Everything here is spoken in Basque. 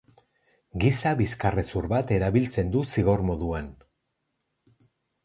Giza bizkarrezur bat erabiltzen du zigor moduan.